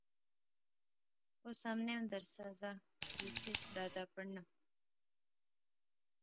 اوہ سامنے مدرسہ زا جس اچ دارا پڑھنا